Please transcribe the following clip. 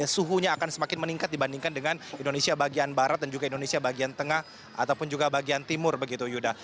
suhunya akan semakin meningkat dibandingkan dengan indonesia bagian barat dan juga indonesia bagian tengah ataupun juga bagian timur begitu yuda